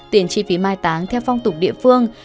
tiền chi phí mai táng theo phong tục địa phương